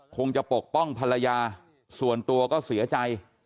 คงจะปกป้องภรรยาส่วนตัวก็เสียใจ